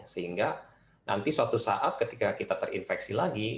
sehingga nanti suatu saat ketika kita terinfeksi lagi